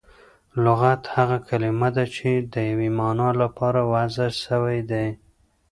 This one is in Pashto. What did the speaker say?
لغت هغه کلیمه ده، چي د یوې مانا له پاره وضع سوی وي.